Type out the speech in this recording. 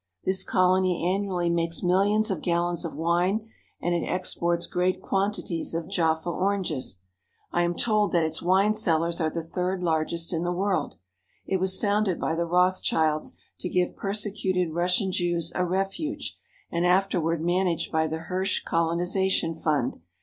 This colony annually makes millions of gallons of wine and it exports great quantities of Jaffa 170 THE COLONIES AND THEIR DEVELOPMENT oranges. I am told that its wine cellars are the third lar gest in the world. It was founded by the Rothschilds to give persecuted Russian Jews a refuge, and afterward managed by the Hirsch colonization fund.